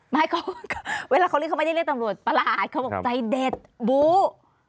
ไม่เวลาเขาเรียกเขาไม่ได้เรียกตำรวจประหลาดเขาบอกใจเด็ดบู